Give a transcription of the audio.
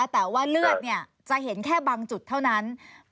แต่ว่าเลือดจะเห็นแค่บางจุดเท่านั้น